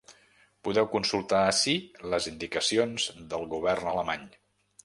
Podeu consultar ací les indicacions del govern alemany.